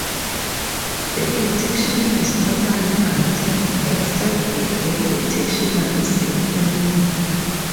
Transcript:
The petition is normally granted, except if the petitioner is a criminal.